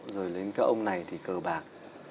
rồi đến cái ông này thì cờ bạc